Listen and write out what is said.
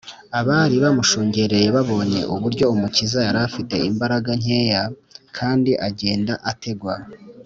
abari bamushungereye babonye uburyo umukiza yari afite imbaraga nkeya kandi agenda ategwa